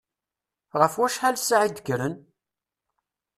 Ɣef wacḥal ssaɛa i d-kkren?